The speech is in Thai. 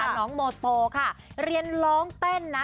น้องโมโตค่ะเรียนร้องเต้นนะ